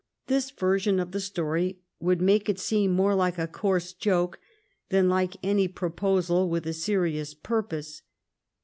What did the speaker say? This version of the story would make it seem more like a coarse joke than like any proposal with a serious purpose.